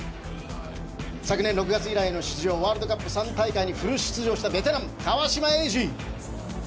昨年６月以来の出場ワールドカップ３大会にフル出場したベテラン川島永嗣。